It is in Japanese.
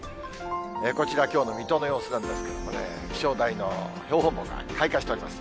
こちら、きょうの水戸の様子なんですけれどもね、気象台の標本木が開花しております。